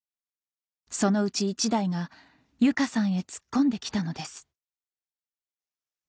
そのうち１台が由佳さんへ突っ込んで来たのです